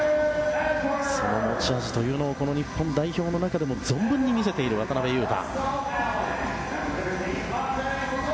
その持ち味をこの日本代表の中でも存分に見せている渡邊雄太。